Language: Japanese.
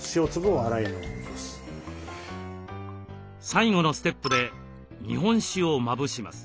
最後のステップで日本酒をまぶします。